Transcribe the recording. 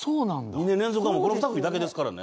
２年連続は、この２組だけですからね。